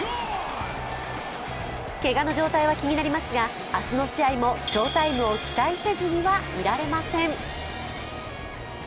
けがの状態は気になりますが明日の試合も翔タイムを期待せずにはいられません。